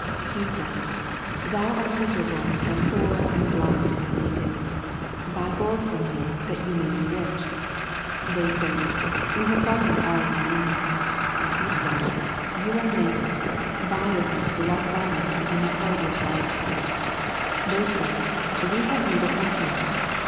He says " Thou art miserable and poor and blind and naked." Buy gold from Me that you may be rich. They say We have gotten all we need, and He says You are naked, buy of Me the white garments that you may clothe yourself. 2o6 A First Century Message They say We have need of nothing.